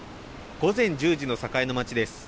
午前１０時の栄の街です。